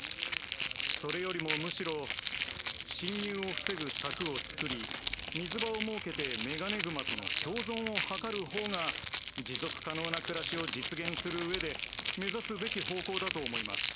それよりもむしろ侵入を防ぐ柵を作り水場を設けてメガネグマとの共存を図るほうが持続可能な暮らしを実現するうえで目指すべき方向だと思います。